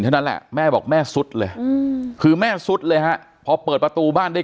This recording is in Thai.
ฉะนั้นแม่บอกแม่ซุดเลยคือแม่ซุดเลยพอเปิดประตูบ้านได้